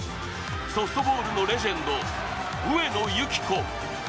ソフトボールのレジェンド上野由岐子。